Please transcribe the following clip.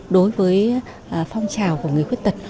đối với phong trào của người khuyết tật